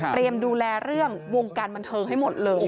ดูแลเรื่องวงการบันเทิงให้หมดเลย